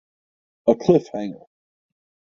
A cliffhanger.